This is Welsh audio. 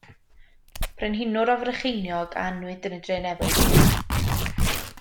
Brenhinwr o Frycheiniog a anwyd yn y Drenewydd.